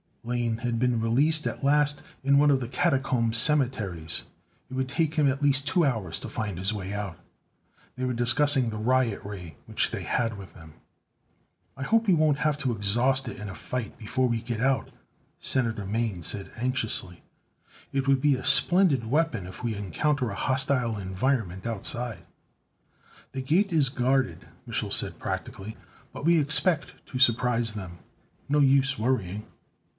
Lane had been released at last, in one of the catacomb cemeteries. It would take him at least two hours to find his way out. They were discussing the riot ray, which they had with them. "I hope we won't have to exhaust it in a fight before we get out," Senator Mane said anxiously. "It would be a splendid weapon if we encounter a hostile environment Outside." "The Gate is guarded," Mich'l said practically, "but we expect to surprise them. No use worrying."